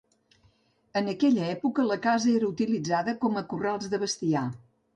En aquella època la casa era utilitzada com a corrals de bestiar.